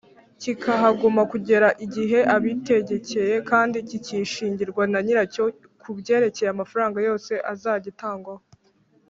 kikahaguma kugera igihe abitegekeye kandi kikishingirwa na nyiracyo Kubyerekeye amafaranga yose azagitangwaho